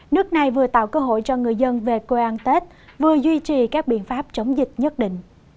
nước này vừa tạo cơ hội cho người dân về quê an tết vừa duy trì các biện pháp chống dịch nhất định